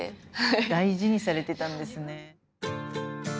大事にされてたんですね。